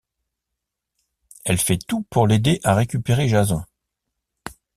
Elle fait tout pour l'aider à récupérer Jason.